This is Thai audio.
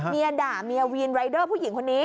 ด่าเมียวีนรายเดอร์ผู้หญิงคนนี้